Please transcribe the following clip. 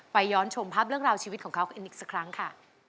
ย้อนชมภาพเรื่องราวชีวิตของเขากันอีกสักครั้งค่ะ